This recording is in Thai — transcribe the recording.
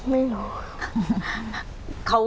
ไม่รู้